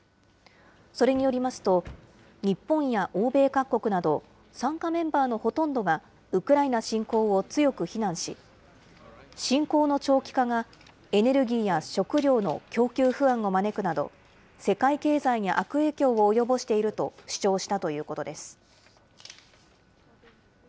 それによりますと、日本や欧米各国など参加メンバーのほとんどがウクライナ侵攻を強く非難し、侵攻の長期化がエネルギーや食料の供給不安を招くなど世界経済に悪影響を及ぼしていると主張したということです。